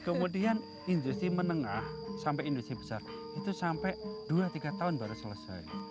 kemudian industri menengah sampai industri besar itu sampai dua tiga tahun baru selesai